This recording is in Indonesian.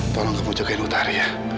tolong kamu jagain utari ya